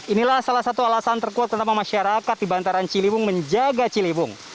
inilah salah satu alasan terkuat tentang masyarakat di bantaran ciliwung menjaga ciliwung